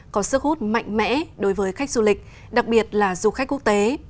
có sức hút mạnh mẽ đối với khách du lịch đặc biệt là du khách quốc tế